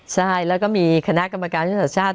ใช่แล้วก็มีคณะกรรมการยุทธศาสตร์ชาติ